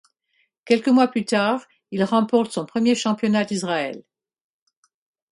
Quelques mois plus tard, il remporte son premier championnat d'Israël.